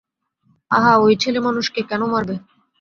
আহা, ঐ ছেলেমানুষকে কেন মারবে?